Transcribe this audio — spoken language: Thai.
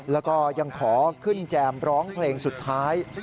แล้วก็ยังขอขึ้นแจมร้องเพลงสุดท้าย